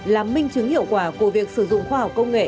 là minh chứng hiệu quả của việc sử dụng khoa học công nghệ